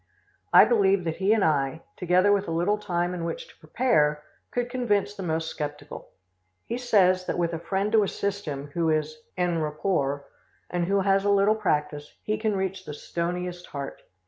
I believe that he and I, together with a little time in which to prepare, could convince the most skeptical. He says that with a friend to assist him, who is en rapport, and who has a little practice, he can reach the stoniest heart.